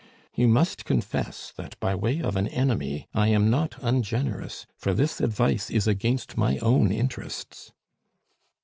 You must confess that by way of an enemy I am not ungenerous, for this advice is against my own interests."